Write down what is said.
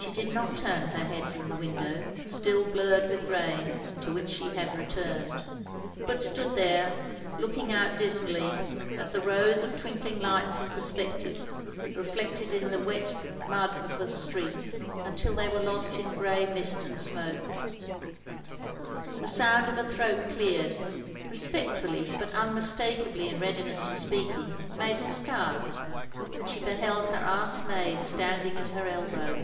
She did not turn her head from the window, still blurred with rain, to which she had rettimed; but stood there, looking out dismally, at the rows of twinkling lights in perspective, reflected in the wet 14 THE LONELY LADY mud of the street tintil they were lost in grey mist and smoke. The sotind of a throat cleared — ^respectfully but unmistakably in readiness for speaking, made her start; and she beheld her aunt's maid standing at her elbow.